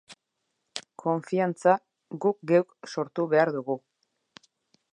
Konfiantza guk geuk sortu behar dugu.